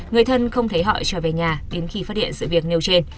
người thân không thấy họ trở về nhà đến khi phát hiện sự việc nêu trên